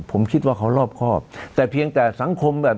ผมคิดว่าเขารอบครอบแต่เพียงแต่สังคมแบบ